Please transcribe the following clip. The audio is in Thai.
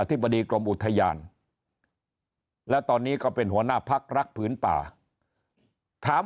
ธิบดีกรมอุทยานและตอนนี้ก็เป็นหัวหน้าพักรักผืนป่าถาม